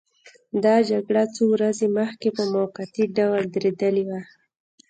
دا جګړه څو ورځې مخکې په موقتي ډول درېدلې وه.